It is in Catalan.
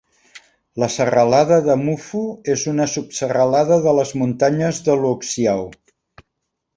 La serralada de Mufu és una subserralada de les muntanyes de Luoxiao.